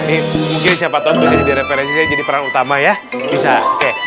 ini mungkin siapa tahu bisa jadi referensi saya jadi peran utama ya bisa oke